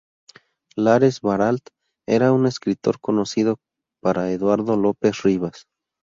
Lares Baralt era un escritor conocido para Eduardo López Rivas.